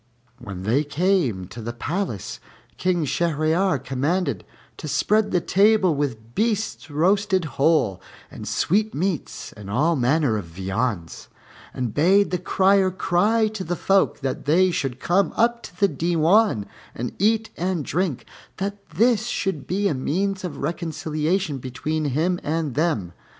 When they came to the palace, King Shahryar commanded to spread the table with beasts roasted whole, and sweetmeats, and all manner of viands, and bade the crier cry to the folk that they should come up to the Diwan and eat and drink, and that this should be a means of reconciliation between him and them.